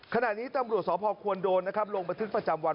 ขณะนี้ตำรวจสอบพควนโดนลงบัตรฤทธิ์ประจำวัน